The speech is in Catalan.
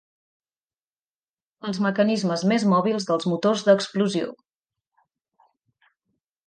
Els mecanismes més mòbils dels motors d'explosió.